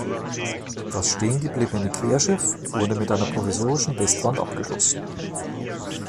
Das stehengebliebene Querschiff wurde mit einer provisorischen Westwand abgeschlossen.